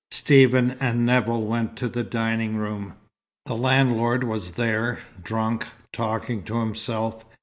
Stephen and Nevill went to the dining room. The landlord was there, drunk, talking to himself.